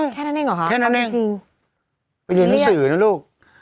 แค่นั้นเองหรอครับเอาจริงไปเรียนหน้าสื่อนะลูก